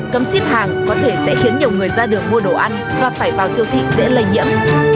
cấm ship hàng có thể sẽ khiến nhiều người ra đường mua đồ ăn và phải vào siêu thị dễ lây nhiễm